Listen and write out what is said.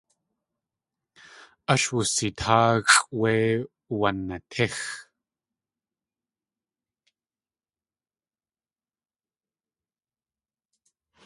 Ash wusitáaxʼ wé wanatíx.